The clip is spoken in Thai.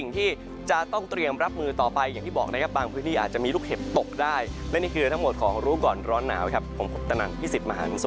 นี่คือสิ